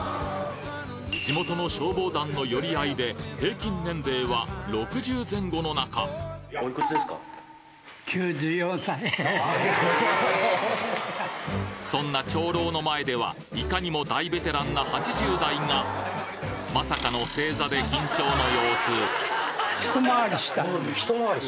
地元の消防団の寄り合いで平均年齢は６０前後の中そんな長老の前ではいかにも大ベテランな８０代がまさかの正座で緊張の様子一回り下？